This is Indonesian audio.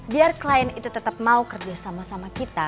biar klien itu tetap mau kerja sama sama kita